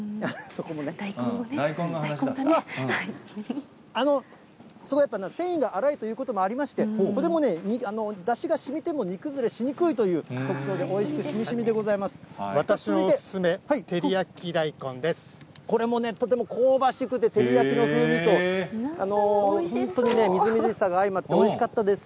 そこはやっぱり繊維が粗いということもありまして、これもね、だしがしみても煮崩れしにくいという、特徴で、おいしく、しみし私のお勧め、照り焼き大根でこれもね、とても香ばしくて、照り焼きの風味と本当にね、みずみずしさがあいまって、おいしかったです。